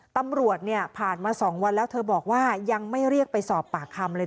ตำรวจเนี่ยผ่านมา๒วันแล้วเธอบอกว่ายังไม่เรียกไปสอบปากคำเลย